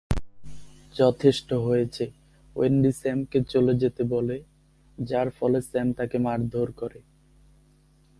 যথেষ্ট হয়েছে, ওয়েন্ডি স্যামকে চলে যেতে বলে, যার ফলে স্যাম তাকে মারধর করে।